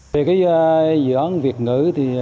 về dự án việt ngữ